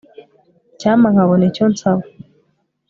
Icyampa nkabona icyo nsaba